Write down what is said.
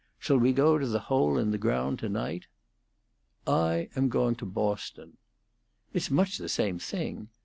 "Shall we go to the Hole in the Ground to night?" "I am going to Boston." "It's much the same thing.